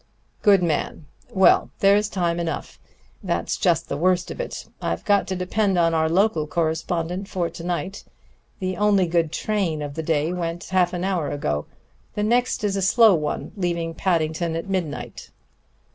"Good man! Well, there's time enough that's just the worst of it. I've got to depend on our local correspondent for to night. The only good train of the day went half an hour ago. The next is a slow one, leaving Paddington at midnight.